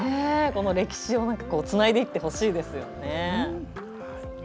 歴史をつないでいってほしいですよね。